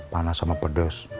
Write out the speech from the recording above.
panas sama pedes